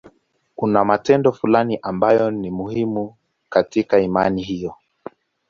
Kuna matendo fulani ambayo ni muhimu katika imani hiyo.